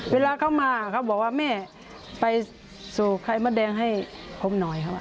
เวลาเขามาเขาบอกว่าแม่ไปสู่ไข่มดแดงให้ผมหน่อยครับ